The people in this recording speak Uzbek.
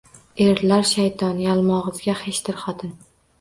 Erlar — shayton, yalmogʼizga xeshdir xotin.